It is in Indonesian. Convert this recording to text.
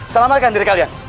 selamatkan diri kalian